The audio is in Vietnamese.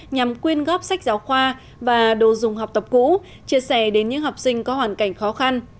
nhằm quyên góp sách giáo khoa và đồ dùng học tập cũ chia sẻ đến những học sinh có hoàn cảnh khó khăn